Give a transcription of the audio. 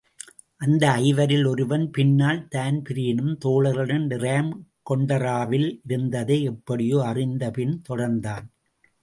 அந்த ஐவரில் ஒருவன், பின்னால் தான்பிரீனும் தோழர்களும் டிராம் கொண்டராவில் இருந்ததை எப்படியோ அறிந்து பின் தொடர்ந்தான்.